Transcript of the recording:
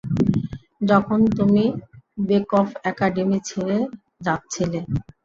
যখন তুমি Bekoff academy ছেড়ে যাচ্ছিলে।